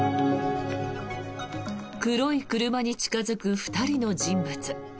黒い車に近付く２人の人物。